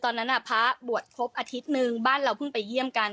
ตอนนั้นพระบวชครบอาทิตย์นึงบ้านเราเพิ่งไปเยี่ยมกัน